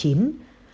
cảm ơn các em